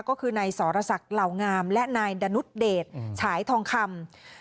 ก็คือนายศรษคเหลางามและนายดนุฐเดฎ์ฉายทองคำ